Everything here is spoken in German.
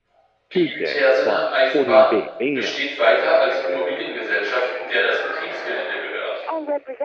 Die Uetersener Eisenbahn besteht weiter als Immobiliengesellschaft, der das Betriebsgelände gehört.